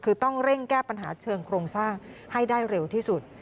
คือต้องเร่งแก้ปัญหาเชิงโครงสร้างให้ได้เร็วที่สุด